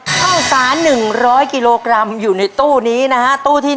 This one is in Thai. ข้าวสาร๑๐๐กิโลกรัมอยู่ในตู้นี้นะฮะตู้ที่๑